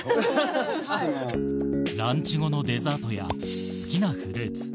ランチ後のデザートや好きなフルーツ